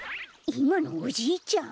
いまのおじいちゃん？